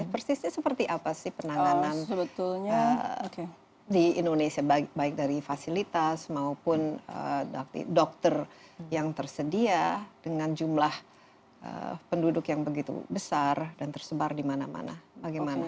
persisnya seperti apa sih penanganan di indonesia baik dari fasilitas maupun dokter yang tersedia dengan jumlah penduduk yang begitu besar dan tersebar di mana mana